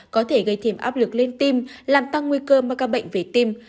có thể gây thêm áp lực lên tim làm tăng nguy cơ mà các bệnh về tim